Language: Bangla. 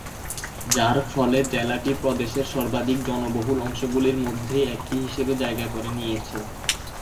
যার ফলে জেলাটি প্রদেশের সর্বাধিক জনবহুল অংশগুলির মধ্যে একটি হিসেবে জায়গা করে নিয়েছে।